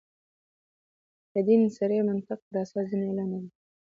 د دین صریح منطق پر اساس دنیا لنډه ده.